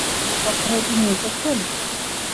গত সপ্তাহের আগে সপ্তাহে তিনি এসেছেন?